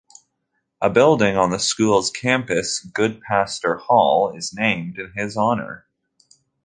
A building on the school's campus, "Goodpaster Hall", is named in his honor.